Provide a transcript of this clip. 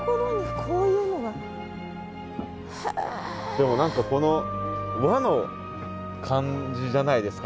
でも何かこの和の感じじゃないですか